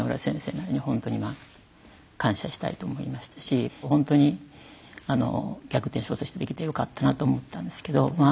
なりにほんとに感謝したいと思いましたしほんとに逆転勝訴できてよかったなと思ったんですけどまあ